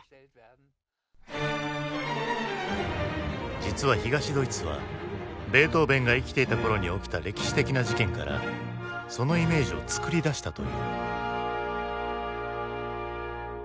実は東ドイツはベートーヴェンが生きていた頃に起きた歴史的な事件からそのイメージを作り出したという。